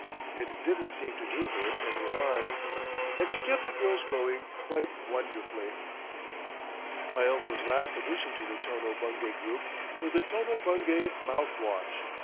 It didn't seem to do her any harm. And she kept the girls going quite wonderfully. My uncle's last addition to the Tono Bungay group was the Tono Bungay Mouthwash.